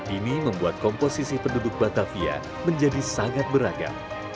ini membuat komposisi penduduk batavia menjadi sangat beragam